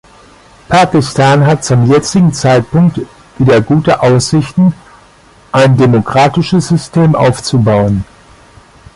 Pakistan hat zum jetzigen Zeitpunkt wieder gute Aussichten, ein demokratisches System aufzubauen.